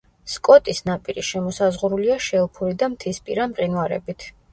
სკოტის ნაპირი შემოსაზღვრულია შელფური და მთისპირა მყინვარებით.